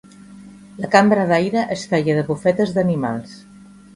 La cambra d’aire es feia de bufetes d’animals.